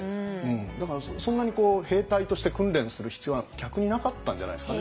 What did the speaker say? だからそんなに兵隊として訓練する必要は逆になかったんじゃないですかね。